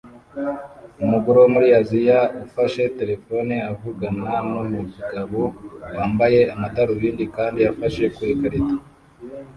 Umugore wo muri Aziya ufashe terefone avugana numugabo wambaye amadarubindi kandi afashe ku ikarita